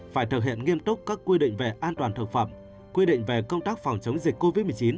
phải thực hiện nghiêm túc các quy định về an toàn thực phẩm quy định về công tác phòng chống dịch covid một mươi chín